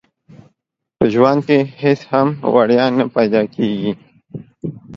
په ژوند کې هيڅ هم وړيا نه پيدا کيږي.